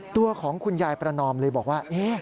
ตัวของคุณยายประนอมเลยบอกว่า